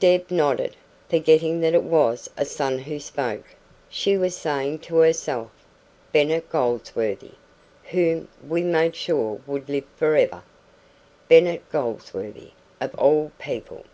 Deb nodded, forgetting that it was a son who spoke. She was saying to herself, "Bennet Goldsworthy, whom we made sure would live for ever! Bennet Goldsworthy, of all people!